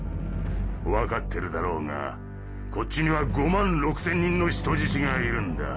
わかってるだろうがこっちには５万６千人の人質がいるんだ。